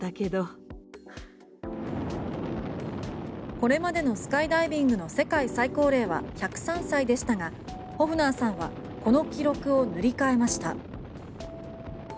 これまでのスカイダイビングの世界最高齢は１０３歳でしたがホフナーさんはこの記録を塗り替えました。